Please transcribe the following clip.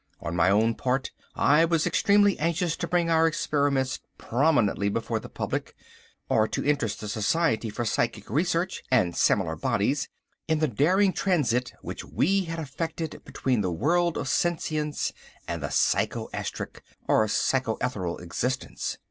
On my own part, I was extremely anxious to bring our experiments prominently before the public, or to interest the Society for Psychic Research, and similar bodies, in the daring transit which we had effected between the world of sentience and the psycho astric, or pseudo ethereal existence.